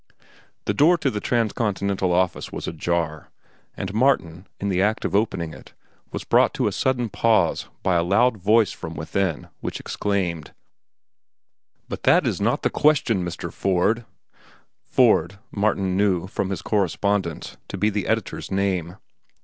The door to the Transcontinental office was ajar, and Martin, in the act of opening it, was brought to a sudden pause by a loud voice from within, which exclaimed: "But that is not the question, Mr. Ford." (Ford, Martin knew, from his correspondence, to be the editor's name.)